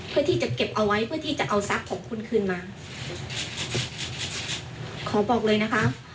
เพื่อที่จะเก็บเอาไว้เพื่อที่จะเอาทรัพย์ของคุณคืนมาขอบอกเลยนะคะ